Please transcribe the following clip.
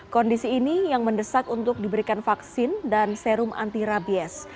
kondisi ini yang mendesak untuk diberikan vaksin dan serum anti rabies